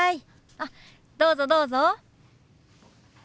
あっどうぞどうぞ。